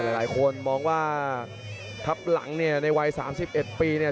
หลายคนมองว่าทับหลังเนี่ยในวัย๓๑ปีเนี่ย